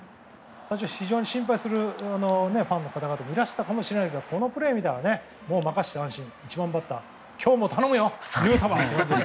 最初非常に心配するファンの方もいらしたかもしれないですがこのプレーを見たら任せて安心１番バッター、今日も頼むよヌートバー！